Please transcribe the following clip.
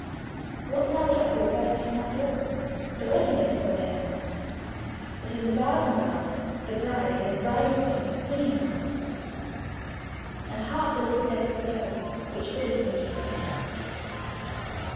What loud uproar bursts from that door! The wedding guests are there: But in the garden bower the bride And bride maids singing are: And hark the little vesper bell, Which biddeth me to prayer!